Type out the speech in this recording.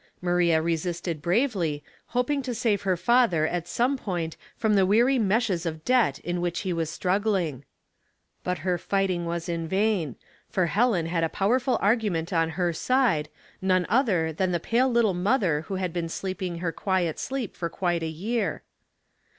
Maria resisted bravely, hoping to save her father at some point from the weary meshes of debt in which he was struoxriii^ifT. But her fio'htin^r was in vain, for Helen had a powerful argument on her side, none other than the pale little mother who had been sleeping her quiet sleep for quite a 3^ear.